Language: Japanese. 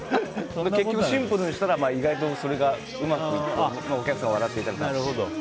結局シンプルにしたら意外とそれがうまくいってお客さん笑っていただいて。